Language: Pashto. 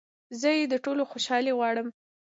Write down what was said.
زه يې د ټولو خوشحالي غواړمه